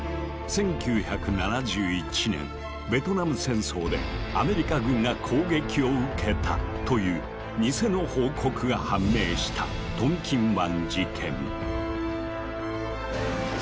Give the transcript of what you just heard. １９７１年ベトナム戦争でアメリカ軍が攻撃を受けたというニセの報告が判明したトンキン湾事件。